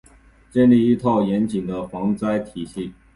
建立一套严谨的防灾体系